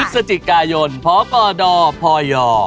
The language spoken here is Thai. พฤศจิกายนพกดพย